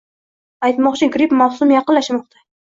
Aytmoqchi gripp mavsumi yaqinlashmoqda.